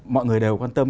mọi người đều quan tâm